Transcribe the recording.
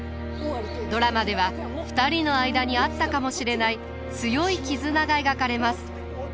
ドラマでは２人の間にあったかもしれない強い絆が描かれます。